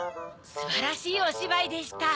すばらしいおしばいでした。